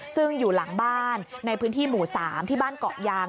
ซึ่งอยู่หลังบ้านในพื้นที่หมู่๓ที่บ้านเกาะยาง